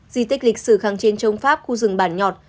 di tích lịch sử kháng chiến chống pháp khu rừng bản nhọt